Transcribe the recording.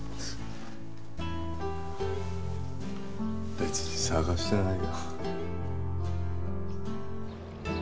別に捜してないよ。